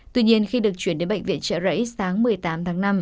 tuy nhiên khi được chuyển đến bệnh viện trợ rẫy sáng một mươi tám tháng năm